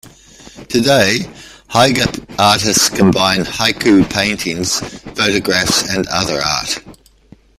Today, haiga artists combine haiku with paintings, photographs and other art.